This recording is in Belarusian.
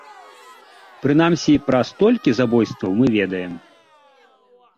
Прынамсі, пра столькі забойстваў мы ведаем.